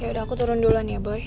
yaudah aku turun duluan ya buy